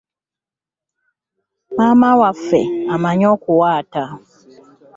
Maama waffe amanyi okuwaata.